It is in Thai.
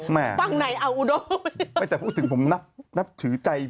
ไม่ข้างในเอิ้นดากลับไปไม่แต่พูดถึงควรนักนับถือใจน้อง